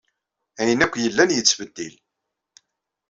Ayen akk yellan yettbeddil.